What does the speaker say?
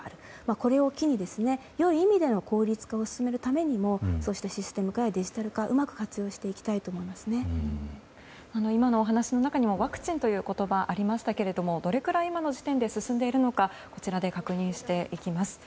これを機に良い意味での効率化を進めるためにもそしてシステム化やデジタル化を今のお話の中にワクチンという言葉がありましたけれどもどれくらい進んでいるのかこちらで確認していきます。